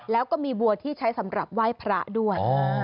แล้วก็มีบัวที่ใช้สำหรับไหว้พระด้วย